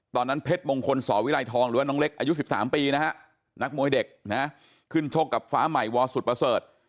เพชรมงคลสวิรัยทองหรือว่าน้องเล็กอายุ๑๓ปีนะฮะนักมวยเด็กนะขึ้นชกกับฟ้าใหม่วสุดประเสริฐ